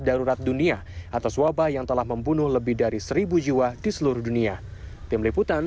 darurat dunia atas wabah yang telah membunuh lebih dari seribu jiwa di seluruh dunia tim liputan